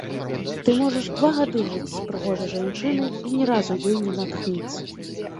Ты можаш два гады жыць з прыгожай жанчынай і ні разу ёй не натхніцца.